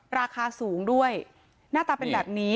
ราคาสูงด้วยหน้าตาเป็นแบบนี้